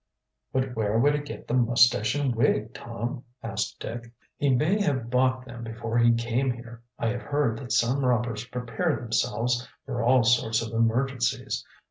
"But where would he get the mustache and wig, Tom?" asked Dick. "He may have bought them before he came here. I have heard that some robbers prepare themselves for all sorts of emergencies.